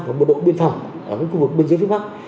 làm một đội biên phòng ở khu vực bên dưới phía bắc